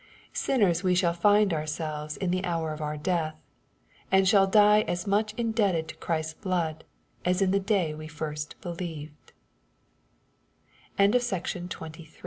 Sin ners we «hall find ourselves in the hour of our death, and shall die as much indebted to Christ's blood, aa in the day we first believe